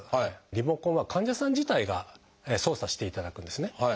リモコンは患者さん自体が操作していただくんですね。